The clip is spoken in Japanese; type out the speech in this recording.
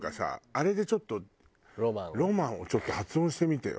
あれでちょっとロマンをちょっと発音してみてよ。